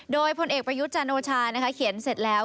โดยผลเอกประยุจจานโอชานะคะเขียนเสร็จแล้ว